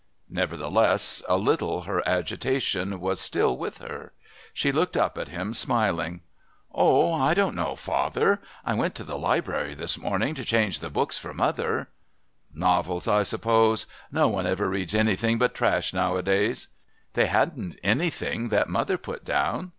Nevertheless, a little, her agitation was still with her. She looked up at him, smiling. "Oh, I don't know, father.... I went to the Library this morning to change the books for mother " "Novels, I suppose. No one ever reads anything but trash nowadays." "They hadn't anything that mother put down.